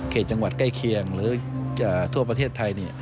จังหวัดใกล้เคียงหรือทั่วประเทศไทย